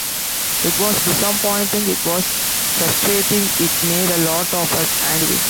It was disappointing, it was frustrating, it made a lot of us angry.